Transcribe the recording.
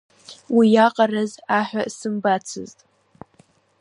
Уи иаҟараз аҳәа сымбаӡацызт.